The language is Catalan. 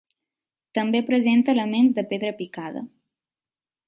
També presenta elements de pedra picada.